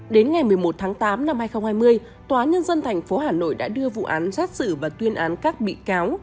đến ngày một mươi một tháng tám năm hai nghìn hai mươi tòa nhân dân tp hà nội đã đưa vụ án xét xử và tuyên án các bị cáo